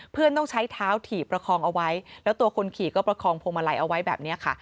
ต้องใช้เท้าถีบประคองเอาไว้แล้วตัวคนขี่ก็ประคองพวงมาลัยเอาไว้แบบนี้ค่ะ